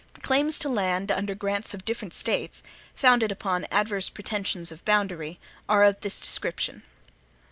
Claims to land under grants of different States, founded upon adverse pretensions of boundary, are of this description.